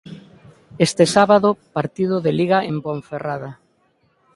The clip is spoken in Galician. Este sábado, partido de Liga en Ponferrada.